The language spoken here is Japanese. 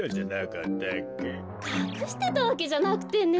かくしてたわけじゃなくてね。